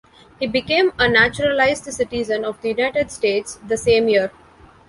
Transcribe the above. He became a naturalized citizen of the United States the same year.